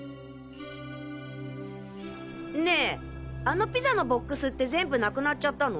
ねえあのピザのボックスって全部なくなっちゃったの？